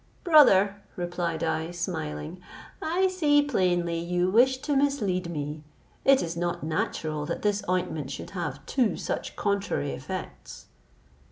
"Brother," replied I, smiling, "I see plainly you wish to mislead me; it is not natural that this ointment should have two such contrary effects."